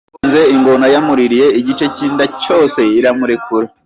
Ngo basanze ingona yaramuriye igice cy’inda cyose iramurekura.